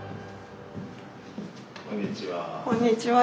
こんにちは。